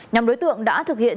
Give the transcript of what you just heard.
nhằm đối tượng đã thực hiện